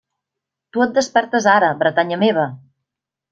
Tu et despertes ara Bretanya meva!